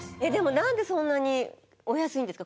なんでそんなにお安いんですか？